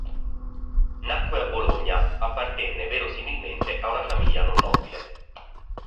Nacque a Bologna, appartenne verosimilmente a una famiglia non nobile.